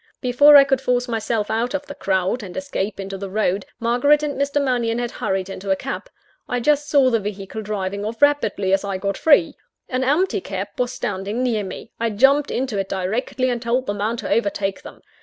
Before I could force myself out of the crowd, and escape into the road, Margaret and Mr. Mannion had hurried into a cab. I just saw the vehicle driving off rapidly, as I got free. An empty cab was standing near me I jumped into it directly and told the man to overtake them.